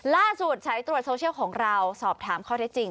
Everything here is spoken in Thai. สายตรวจโซเชียลของเราสอบถามข้อเท็จจริง